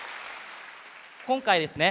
今回ですね